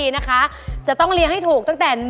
อุปกรณ์ทำสวนชนิดใดราคาถูกที่สุด